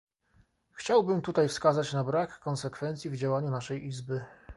Chciałbym tutaj wskazać na brak konsekwencji w działaniu naszej Izby